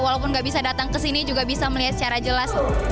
walaupun gak bisa datang kesini juga bisa melihat secara jelas